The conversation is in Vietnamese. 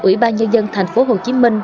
ủy ban nhân dân thành phố hồ chí minh